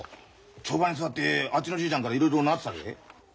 帳場に座ってあっちのじいちゃんからいろいろ習ってたぜ。